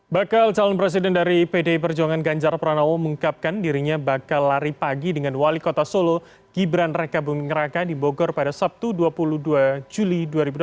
bakal calon presiden dari pdi perjuangan ganjar pranowo mengungkapkan dirinya bakal lari pagi dengan wali kota solo gibran raka buming raka di bogor pada sabtu dua puluh dua juli dua ribu delapan belas